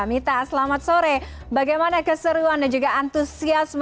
mita selamat sore bagaimana keseruan dan juga antusiasme